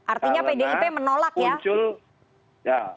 artinya pdip menolak ya